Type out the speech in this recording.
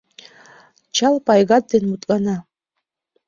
Чал Пайгат ден мутлана;